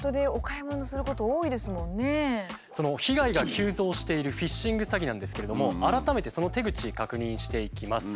その被害が急増しているフィッシング詐欺なんですけれども改めてその手口確認していきます。